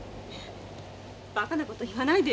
バカな事言わないでよ。